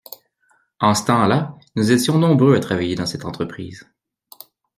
En ce temps-là nous étions nombreux à travailler dans cette entreprise.